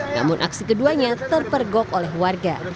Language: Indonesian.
namun aksi keduanya terpergok oleh warga